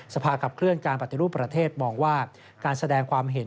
สภาขับเคลื่อนการปฏิรูปประเทศมองว่าการแสดงความเห็น